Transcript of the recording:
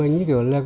như kiểu là